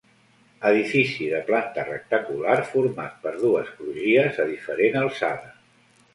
Edifici de planta rectangular format per dues crugies a diferent alçada.